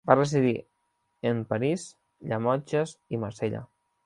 Va residir en París, Llemotges i Marsella.